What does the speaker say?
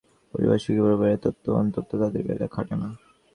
আরও চাই কারদাশিয়ানেরছোট পরিবার সুখী পরিবার—এই তত্ত্ব অন্তত তাঁদের বেলায় খাটে না।